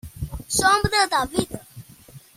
Sombra da vida